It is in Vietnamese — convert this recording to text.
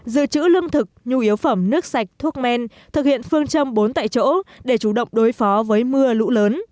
dự trữ lương thực nhu yếu phẩm nước sạch thuốc men thực hiện phương châm bốn tại chỗ để chủ động đối phó với mưa lũ lớn